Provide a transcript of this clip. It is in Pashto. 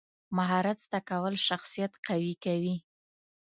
مهارت زده کول شخصیت قوي کوي.